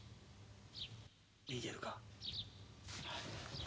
逃げるか？